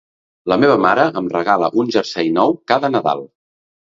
La meva mare em regala un jersei nou cada nadal